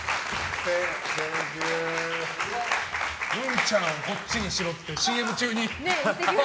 グンちゃん、こっちにしろってＣＭ中に。